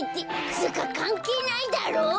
つうかかんけいないだろう。